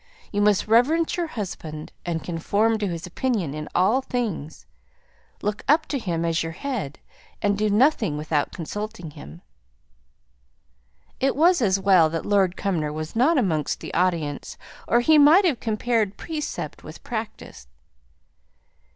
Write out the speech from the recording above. You must reverence your husband, and conform to his opinion in all things. Look up to him as your head, and do nothing without consulting him." It was as well that Lord Cumnor was not amongst the audience; or he might have compared precept with practice.